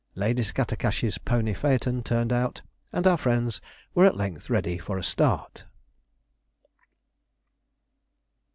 Lady Scattercash's pony phaeton turned out, and our friends were at length ready for a start.